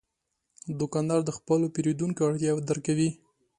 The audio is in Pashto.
دوکاندار د خپلو پیرودونکو اړتیاوې درک کوي.